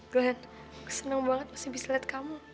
gue seneng banget masih bisa lihat kamu